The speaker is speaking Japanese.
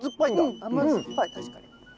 うん甘酸っぱい確かに。